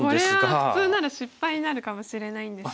これは普通なら失敗になるかもしれないんですが。